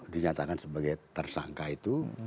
dinyatakan sebagai tersangka itu